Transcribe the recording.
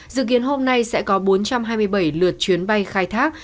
dự kiến hôm nay sẽ có bốn trăm hai mươi bảy lượt chuyến bay khai thác